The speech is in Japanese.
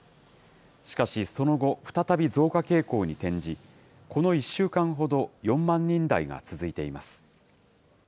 しかしその後、再び増加傾向に転じ、この１週間ほど、４万人台が続いています。